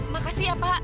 makasih ya pak